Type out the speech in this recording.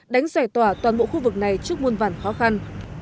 đánh giải tỏa toàn bộ khu vực này trước nguồn vản khó khăn